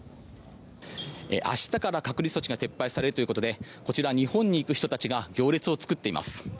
明日から隔離措置が撤廃されるということでこちら、日本に行く人たちが行列を作っています。